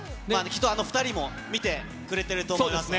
きっと２人も見てくれてると思います。